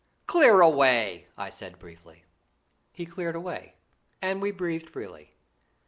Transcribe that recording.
"Clear away!" I said briefly. He cleared away, and we breathed freely.